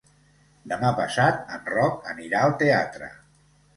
Demà passat en Roc anirà al teatre.